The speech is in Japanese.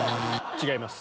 違います。